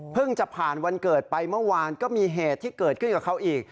จะผ่านวันเกิดไปเมื่อวานก็มีเหตุที่เกิดขึ้นกับเขาอีก